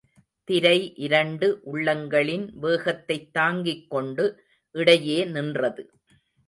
திரை இரண்டு உள்ளங்களின் வேகத்தைத் தாங்கிக்கொண்டு இடையே நின்றது.